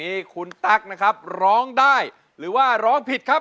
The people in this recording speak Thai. รูปสุดงามสมสังคมเครื่องใครแต่หน้าเสียดายใจทดสกัน